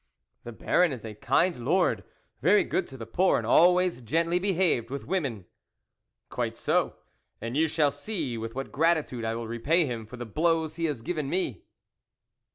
"The Baron is a kind Lord, very good to the poor, and always gently be haved with women." " Quite so, and you shall see with what gratitude I will repay him for the blows he has given me."